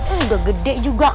udah gede juga